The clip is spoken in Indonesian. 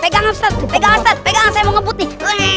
pegangan sebagai pecah yang membutik